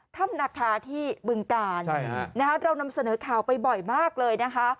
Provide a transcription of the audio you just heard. ธรรมนาคาที่บึงกาญนะครับเรานำเสนอข่าวบ่อยมากเลยนะคะ